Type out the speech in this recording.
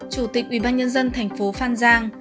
chủ tịch ủy ban nhân dân thành phố phan giang